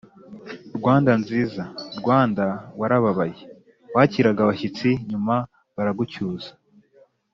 Rwanda nziza rwanda warababaye wakiraga abashyitsi nyuma baragucyuza